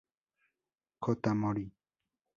Kota Mori